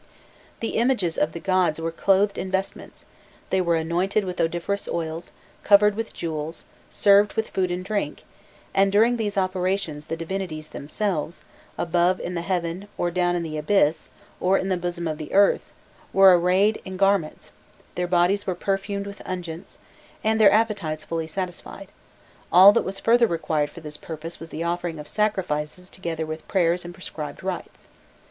The images of the gods were clothed in vestments, they were anointed with odoriferous oils, covered with jewels, served with food and drink; and during these operations the divinities themselves, above in the heaven, or down in the abyss, or in the bosom of the earth, were arrayed in garments, their bodies were perfumed with unguents, and their appetites fully satisfied: all that was further required for this purpose was the offering of sacrifices together with prayers and prescribed rites.